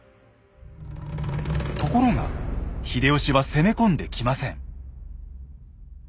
ところが秀吉は攻め込んできません。